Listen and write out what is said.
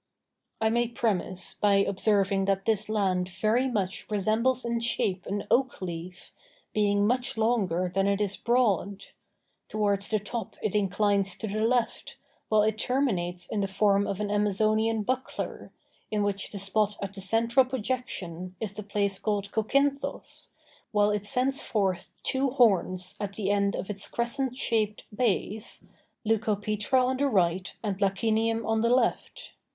I may premise by observing that this land very much resembles in shape an oak leaf, being much longer than it is broad; towards the top it inclines to the left, while it terminates in the form of an Amazonian buckler, in which the spot at the central projection is the place called Cocinthos, while it sends forth two horns at the end of its crescent shaped bays, Leucopetra on the right and Lacinium on the left.